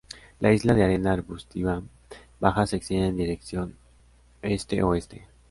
La isla de arena arbustiva baja se extiende en dirección Este-Oeste.